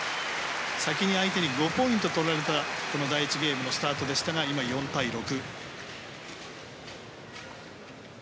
先に相手に５ポイント取られた第１ゲームのスタートでしたが今４対６。